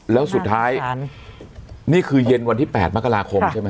แล้วสุดท้ายนี่คือเย็นวันที่๘มกราคมใช่ไหม